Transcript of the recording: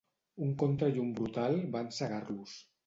Un contrallum brutal va encegar-los.